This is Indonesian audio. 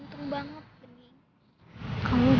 orang yang tadi siang dimakamin